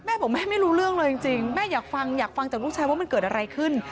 แม่บอกแม่ไม่รู้เรื่องเลยจริงแม่อยากฟังอยากฟังจากลูกชายว่ามันเกิดอะไรขึ้น